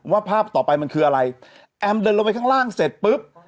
ภาพต่อไปมันคืออะไรแอมเดินลงไปข้างล่างเสร็จปุ๊บ